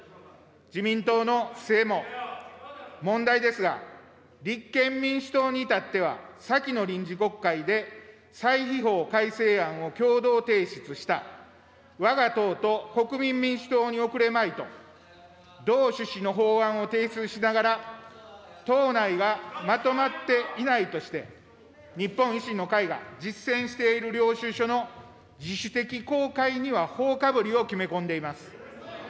自民党の姿勢も問題ですが、立憲民主党にいたっては、先の臨時国会で歳費法改正案を共同提出したわが党と国民民主党に遅れまいと、同趣旨の法案を提出しながら、党内がまとまっていないとして、日本維新の会が実践している領収書の自主的公開にはほおかぶりを決め込んでいます。